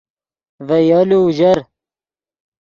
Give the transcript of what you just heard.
ڤے یولو اوژر